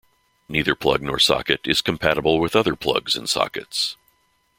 Neither plug nor socket is compatible with other plugs and sockets.